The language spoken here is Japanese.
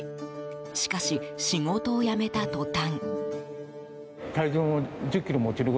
しかし、仕事を辞めた途端。